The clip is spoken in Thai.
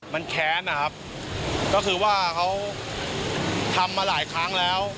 มันแค้นนะครับก็คือว่าเขาทำมาหลายครั้งแล้ว